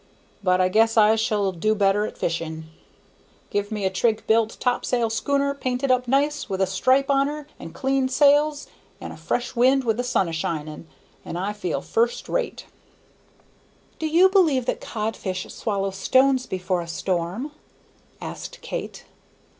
But I guess I shall do better at fishing. Give me a trig built topsail schooner painted up nice, with a stripe on her, and clean sails, and a fresh wind with the sun a shining, and I feel first rate." "Do you believe that codfish swallow stones before a storm?" asked Kate.